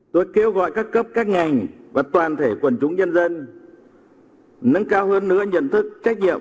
tôi kêu gọi các cấp các ngành và toàn thể quần chúng nhân dân nâng cao hơn nữa nhận thức trách nhiệm